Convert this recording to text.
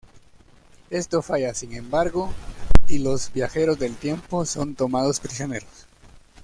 Esto falla, sin embargo, y los viajeros del tiempo son tomados prisioneros.